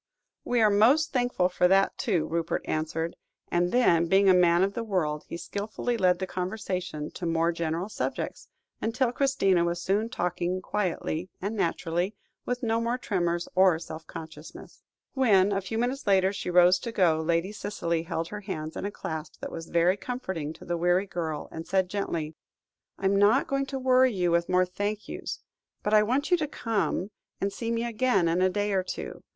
"We are most thankful for that, too," Rupert answered; and then, being a man of the world, he skilfully led the conversation to more general subjects, until Christina was soon talking quietly and naturally, with no more tremors or self consciousness. When, a few minutes later, she rose to go, Lady Cicely held her hands in a clasp that was very comforting to the weary girl, and said gently "I am not going to worry you with more thank yous; but I want you to come and see me again in a day or two.